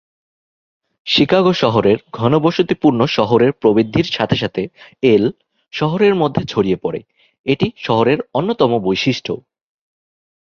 Chicago শহরের ঘনবসতিপূর্ণ শহরের প্রবৃদ্ধির সাথে সাথে "এল" শহরের মধ্যে ছড়িয়ে পড়ে, এটি শহরের অন্যতম বৈশিষ্ট্য।